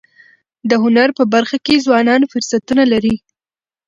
د هنر په برخه کي ځوانان فرصتونه لري.